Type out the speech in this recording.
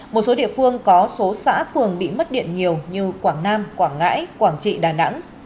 một số địa phương có số xã phường bị mất điện nhiều như quảng nam quảng ngãi quảng trị đà nẵng